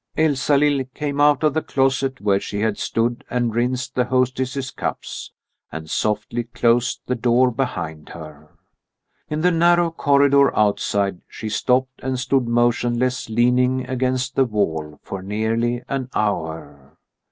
III Elsalill came out of the closet where she had stood and rinsed the hostess's cups, and softly closed the door behind her. In the narrow corridor outside she stopped and stood motionless leaning against the wall for nearly an hour.